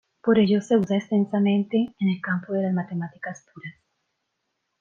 Por ello se usa extensamente en el campo de las matemáticas puras.